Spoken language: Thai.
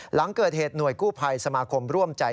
หลังเกิดเหตุหน่วยกู้ภัยสมาคมร่วมใจ